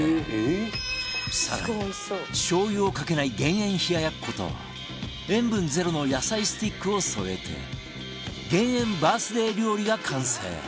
更にしょう油をかけない減塩冷ややっこと塩分ゼロの野菜スティックを添えて減塩バースデー料理が完成